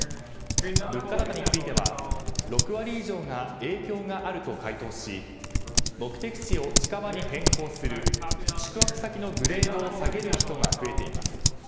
物価高については、６割以上が影響があると回答し目的地を近場に変更する宿泊先のグレードを下げる人が増えています。